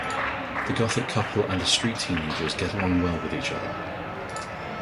The gothic couple and the street teenagers get along well with each other.